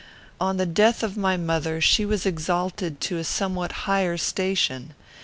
On the death of my mother, she was exalted to a somewhat higher station.